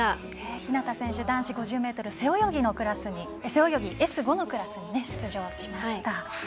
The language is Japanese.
日向選手、男子１００ｍ背泳ぎのＳ５のクラスに出場しました。